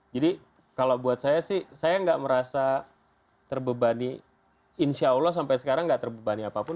jadi kalau buat saya sih saya nggak merasa terbebani insya allah sampai sekarang nggak terbebani apapun